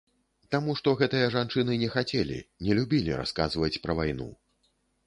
Таму што гэтыя жанчыны не хацелі, не любілі расказваць пра вайну.